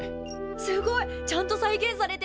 すごいちゃんと再現されてる！